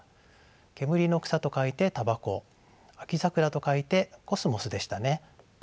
煙の草と書いて「タバコ」秋桜と書いて「コスモス」でしたね。